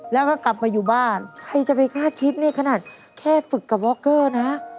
แล้วก็กลับมาอยู่บ้านใครจะไปคาดคิดนี่ขนาดแค่ฝึกกับวอกเกอร์นะ